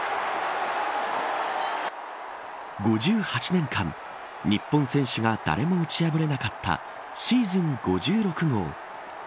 ５８年間日本選手が誰も打ち破れなかったシーズン５６号。